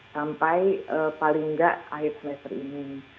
sampai paling nggak akhir semester ini